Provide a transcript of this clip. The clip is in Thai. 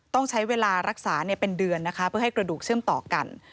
ต้องใช้เวลารักษาเป็นเดือนนะคะเพื่อให้กระดูกเชื่อมต่อกัน